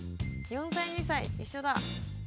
４歳２歳一緒だ。